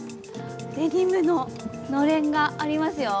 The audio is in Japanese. デニムののれんが、ありますよ。